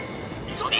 急げ！